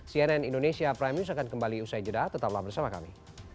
cnn indonesia prime news akan kembali usai jeda tetaplah bersama kami